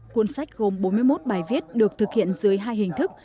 cuốn sách gồm bốn mươi một bài viết được thực hiện dưới hai hình thức